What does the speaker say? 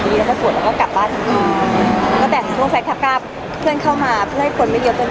ไม่อยากได้อะไรเลยไม่อยากไปไหนเลย